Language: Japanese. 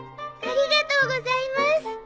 ありがとうございます。